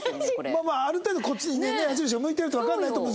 まあまあある程度こっちにね矢印が向いてるとわからないと難しい事よ。